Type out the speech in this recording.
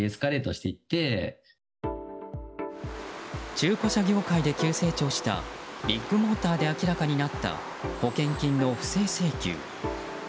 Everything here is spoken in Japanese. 中古車業界で急成長したビッグモーターで明らかになった保険金の不正請求。